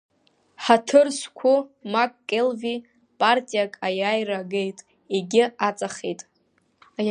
Ҳаҭыр зқәу Мак Келви, партиак аиааира агеит, егьи аҵахеит.